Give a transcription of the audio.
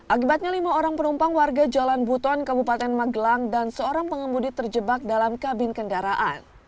akibatnya lima orang penumpang warga jalan buton kabupaten magelang dan seorang pengemudi terjebak dalam kabin kendaraan